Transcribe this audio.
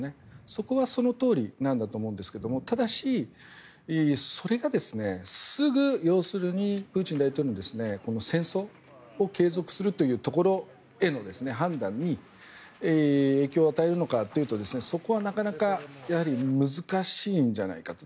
そこはそのとおりなんだと思うんですがただし、それがすぐ要するにプーチン大統領の戦争を継続するというところへの判断に影響を与えるのかというとそこはなかなか難しいんじゃないかと。